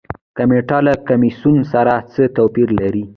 کمیټه له کمیسیون سره څه توپیر لري؟